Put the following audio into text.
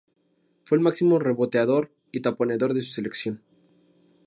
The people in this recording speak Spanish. Fue el máximo reboteador y taponador de su selección.